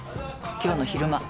今日の昼間。